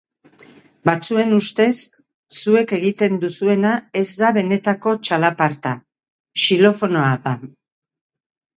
Batzuen ustez, zuek egiten duzuena ez da benetako txalaparta, xilofonoa da.